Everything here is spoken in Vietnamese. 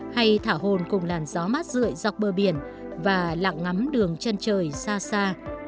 hay thả hồn cùng làn gió mát rượi dọc bờ biển và lặng ngắm đường chân trời xa xa